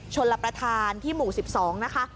ลประธานที่หมู่๑๒นะคะ